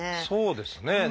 そうですね。